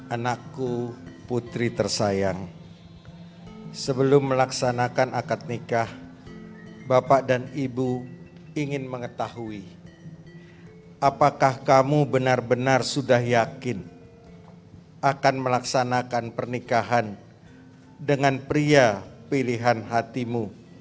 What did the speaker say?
anakku putri tersayang sebelum melaksanakan akad nikah bapak dan ibu ingin mengetahui apakah kamu benar benar sudah yakin akan melaksanakan pernikahan dengan pria pilihan hatimu